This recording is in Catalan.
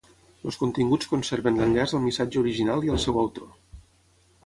Els continguts conserven l'enllaç al missatge original i al seu autor.